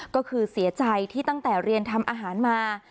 ก็คือเสียใจที่ตั้งแต่เรียนทำอาหารมา